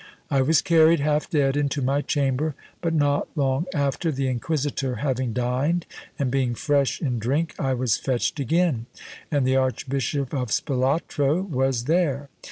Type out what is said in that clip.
I was carried, half dead, into my chamber; but not long after, the inquisitor having dined, and being fresh in drink, I was fetched again, and the archbishop of Spalatro was there.